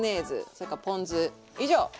それからポン酢以上。